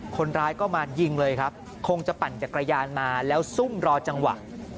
คนร้ายก็มายิงเลยครับคงจะปั่นจักรยานมาแล้วซุ่มรอจังหวะ